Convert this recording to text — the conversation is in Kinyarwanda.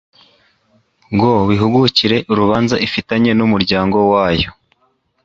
ngo bihugukire urubanza ifitanye n’umuryango wayo